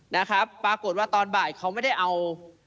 นะครับปรากฏว่าตอนบ่ายเขาไม่ได้เอา